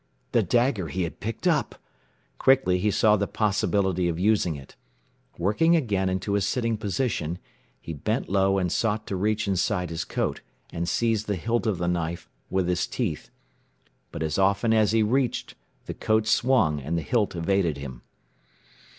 The dagger he had picked up! Quickly he saw the possibility of using it. Working again into a sitting position, he bent low and sought to reach inside his coat and seize the hilt of the knife with his teeth. But as often as he reached, the coat swung, and the hilt evaded him.